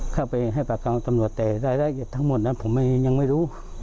เข้าไปให้ปากคำตำรวจแต่รายละเอียดทั้งหมดนั้นผมยังไม่รู้